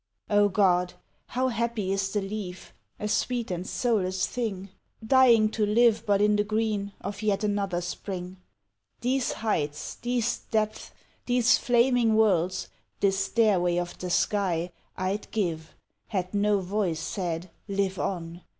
O God! how happy is the leaf, A sweet and soulless thing, Dying to live but in the green Of yet another Spring These heights, these depths, these flaming worlds, This stairway of the sky I'd give, had no Voice said "Live on!"